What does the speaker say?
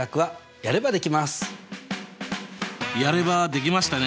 やればできましたね。